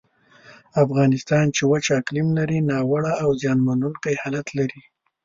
افغانستان چې وچ اقلیم لري، ناوړه او زیانمنونکی حالت لري.